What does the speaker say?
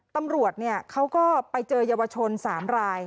ตำรวจเนี่ยเขาก็ไปเจอเยาวชนสามราย